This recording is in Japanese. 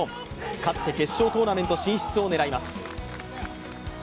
勝って決勝トーナメント進出を狙います。